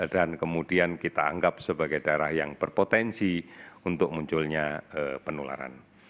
dan kemudian kita anggap sebagai daerah yang berpotensi untuk munculnya penularan